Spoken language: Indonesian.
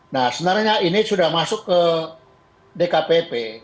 nah sebenarnya ini sudah masuk ke dkpp